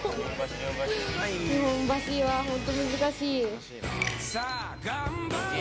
日本橋は本当難しい。